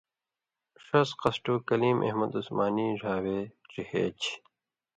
ݜس قصٹُو کلیم احمد عُثمانی ڙھاوے ڇِہے چھی